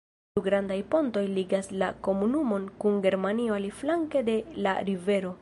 Du grandaj pontoj ligas la komunumon kun Germanio aliflanke de la rivero.